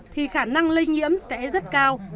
thì khả năng lây nhiễm sẽ rất cao